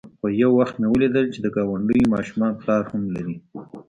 خو يو وخت مې وليدل چې د گاونډيو ماشومان پلار هم لري.